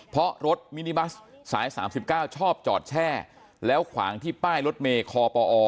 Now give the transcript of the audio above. เพราะรถมินิบัสสาย๓๙ชอบจอดแช่แล้วขวางที่ป้ายรถเมย์คอปอ